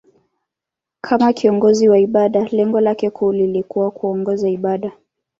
Kama kiongozi wa ibada, lengo lake kuu lilikuwa kuongoza ibada.